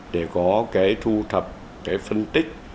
để có cái thu thập cái phân tích